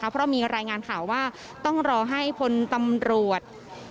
เพราะมีรายงานข่าวว่าต้องรอให้พลตำรวจ